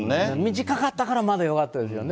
短かったからまだよかったですよね。